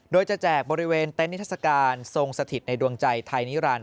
โดยจะแจกบริเวณเต็นต์นิทัศกาลทรงสถิตในดวงใจไทยนิรันดิ